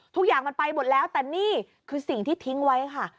ทุกอย่างมันไปหมดแล้วแต่นี่คือสิ่งที่ทิ้งไว้ค่ะ